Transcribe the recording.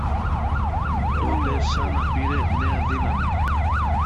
Τότε σαν να πήρε νέα δύναμη